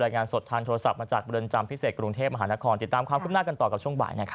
คุณพุทิภัทรบุนนินภูตสิทธิ์ข่าว